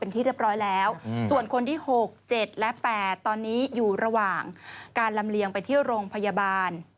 เป็นที่เรียบร้อยแล้วส่วนคนที่๖๗และ๘ตอนนี้อยู่ระหว่างการลำเลียงไปที่โรงพยาบาล